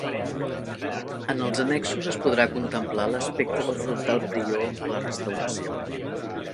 En els annexos es podrà contemplar l'aspecte del frontal prior a la restauració.